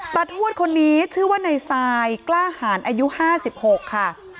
ทวดคนนี้ชื่อว่าในซายกล้าหารอายุ๕๖ค่ะ